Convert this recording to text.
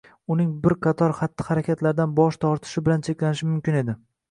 uning bir qator xatti-harakatlardan bosh tortishi bilan cheklanishi mumkin edi: